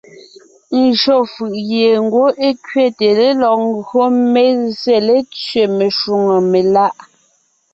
Ńgÿo fʉ̀ʼ gie ngwɔ́ é kẅéte lélɔg ńgÿo mé zsé létẅé meshwóŋè meláʼ.